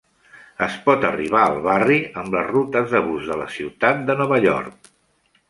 Es pot arribar al barri amb les rutes de bus de la ciutat de Nova York.